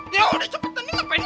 ya udah cepetan nih ngapain lagi